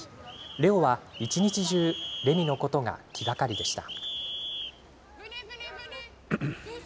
レオは一日中レミのことが気がかりでした。